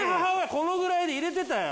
このぐらいで入れてたよ。